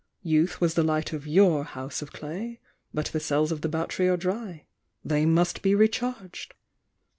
Youth was the light of your house of clay— but the cells of the battery are dry— they must be recharged!"